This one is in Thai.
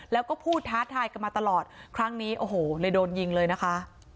แล้วก็พูดท้าทายกันมาตลอดครั้งนี้โอ้โหเลยโดนยิงเลยนะคะ